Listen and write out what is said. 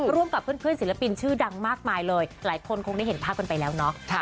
ร่วมกับเพื่อนศิลปินชื่อดังมากมายเลยหลายคนคงได้เห็นภาพกันไปแล้วเนาะ